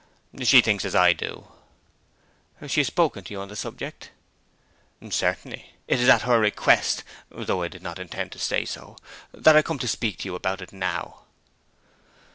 'She thinks as I do.' 'She has spoken to you on the subject?' 'Certainly. More than that; it is at her request though I did not intend to say so that I come to speak to you about it now.'